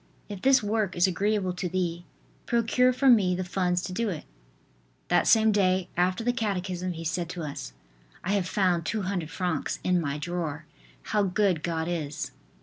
if this work is agreeable to thee, procure for me the funds to do it. That same day, after the catechism, he said to us: "I have found 200 francs in my drawer. How good God is!"